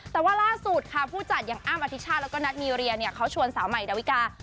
แต่ว่าร่าสุดค่าผู้จัดอย่างอ้ามอธิชชาติและนัทมีเรียเขาชวนสาวใหม่ดาวิกา